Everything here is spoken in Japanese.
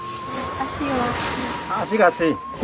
足が熱い。